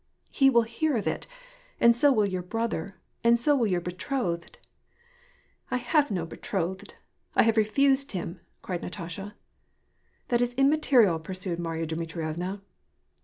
" He will hear of it ; and so will your brother, and so will your betrothed !"" I have no betrothed ; I have refused him !" cried Natasha. "That's immaterial," pursued Marya Dmitrievna.